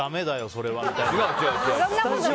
それはみたいな。